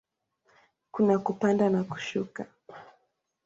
Kuna kupanda na kushuka.